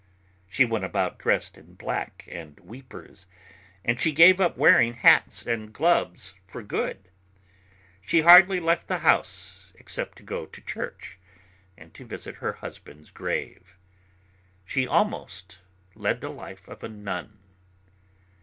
She went about dressed in black and weepers, and she gave up wearing hats and gloves for good. She hardly left the house except to go to church and to visit her husband's grave. She almost led the life of a nun.